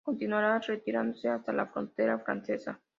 Continuaría retirándose hasta la frontera francesa.